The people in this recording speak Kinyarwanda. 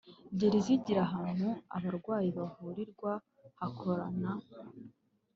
gereza igira ahantu abarwayi bavurirwa hakorana